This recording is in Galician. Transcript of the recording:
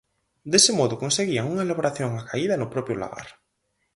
Dese modo conseguían unha elaboración acaída no propio lagar.